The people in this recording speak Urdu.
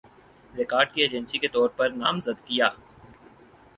ریکارڈ کی ایجنسی کے طور پر نامزد کِیا